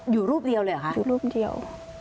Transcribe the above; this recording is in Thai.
อยู่รูปเดียวเลยหรือค่ะอยู่รูปเดียว